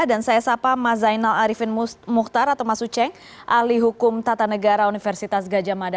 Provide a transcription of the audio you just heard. saya sapa mazainal arifin muhtar atau mas uceng ahli hukum tata negara universitas gajah mada